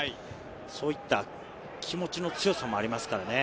そういった気持ちの強さもありますからね。